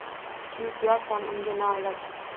Suyuk yorsan unga noiloj…